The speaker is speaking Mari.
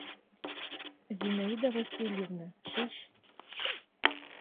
Зинаида Васильевна, шич.